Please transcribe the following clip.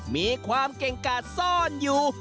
มีความเก่งกาดซ่อนอยู่